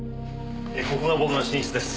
ここが僕の寝室です。